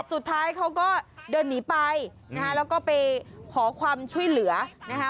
สุดท้ายเขาก็เดินหนีไปนะฮะแล้วก็ไปขอความช่วยเหลือนะคะ